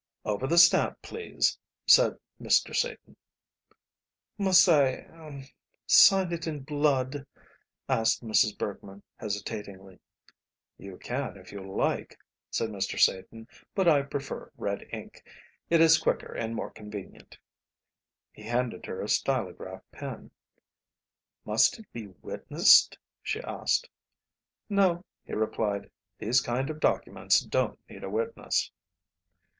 "Over the stamp, please," said Mr. Satan. "Must I er sign it in blood?" asked Mrs. Bergmann, hesitatingly. "You can if you like," said Mr. Satan, "but I prefer red ink; it is quicker and more convenient." He handed her a stylograph pen. "Must it be witnessed?" she asked. "No," he replied, "these kind of documents don't need a witness."